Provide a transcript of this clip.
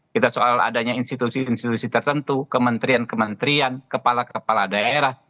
kita soal adanya institusi institusi tertentu kementerian kementerian kepala kepala daerah